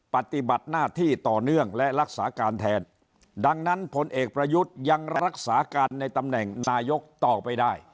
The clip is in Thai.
ปฏิบัติหน้าที่ต่อเนื่องและรักษาการแทนดังนั้นพลเอกประยุทธ์ยังรักษาการในตำแหน่งนายกต่อไปได้